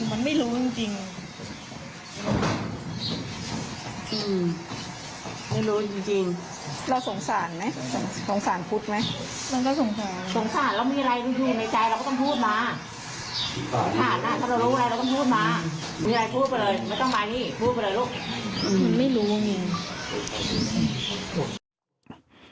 มั้งไม่ดูมีอะไร